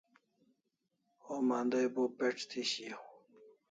Homa andai bo pec' thi shiaw